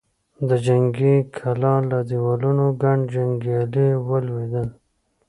د جنګي کلا له دېوالونو ګڼ جنګيالي ولوېدل.